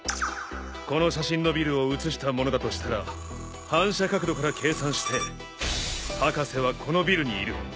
この写真のビルを写したものだとしたら反射角度から計算して博士はこのビルにいる。